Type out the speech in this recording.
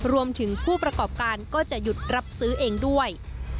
ผู้ประกอบการก็จะหยุดรับซื้อเองด้วย